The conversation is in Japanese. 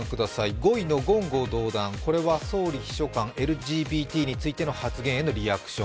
５位の言語道断、これは総理秘書官、ＬＧＢＴへの発言についてのリアクション。